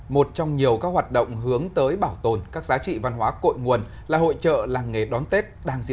một trong nhiều các hoạt động hướng tới bảo tồn các giá trị văn hóa cội nguồn là hội trợ làng nghề đón tết